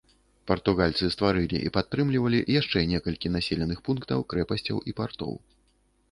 Партугальцы стварылі і падтрымлівалі яшчэ некалькі населеных пунктаў, крэпасцяў і партоў.